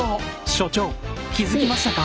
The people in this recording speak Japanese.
所長気付きましたか？